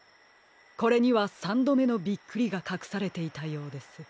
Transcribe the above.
これにはさんどめのびっくりがかくされていたようです。